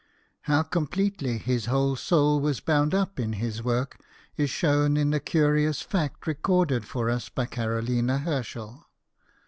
How completely his whole soul was bound up in his work is shown in the curious fact recorded for us by Carolina Herschel.